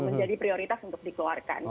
menjadi prioritas untuk dikeluarkan